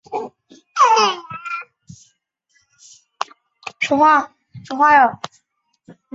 该名言在本片的片头再次重申。